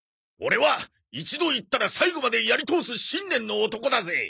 オレは一度言ったら最後までやり通す信念の男だぜ！